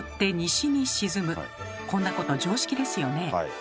こんなこと常識ですよね。